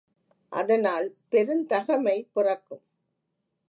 அதனால் பெருந்தகைமை பிறக்கும்.